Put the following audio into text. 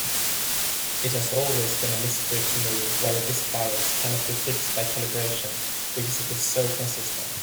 It has always been a mystery to me why this bias cannot be fixed by calibration, because it is so consistent.